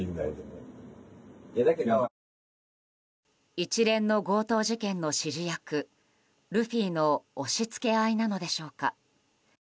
一連の強盗事件の指示役ルフィの押し付け合いなのでしょうか。